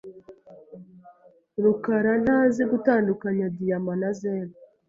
rukarantazi gutandukanya diyama na zeru.